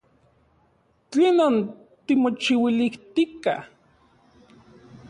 ¿Tlenon timochiuilijtika?